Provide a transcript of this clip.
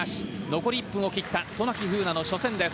残り１分を切った渡名喜風南の初戦です。